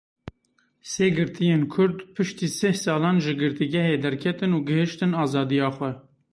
Sê girtiyên Kurd piştî sih salan ji girtîgehê derketin û gihiştin azadiya xwe.